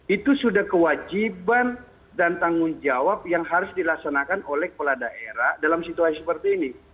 itu sudah kewajiban dan tanggung jawab yang harus dilaksanakan oleh kepala daerah dalam situasi seperti ini